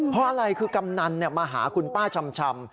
เพราะอะไรคือกำนันมาหาคุณป้าชำ